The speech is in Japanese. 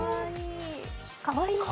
かわいい。